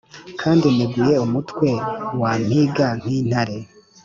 kandi neguye umutwe wampīga nk’intare,